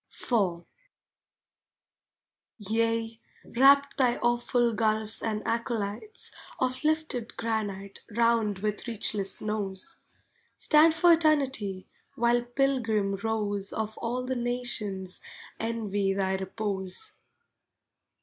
IV Yea, wrap thy awful gulfs and acolytes Of lifted granite round with reachless snows. Stand for Eternity while pilgrim rows Of all the nations envy thy repose.